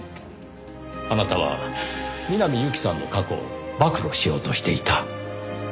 あなたは南侑希さんの過去を暴露しようとしていた。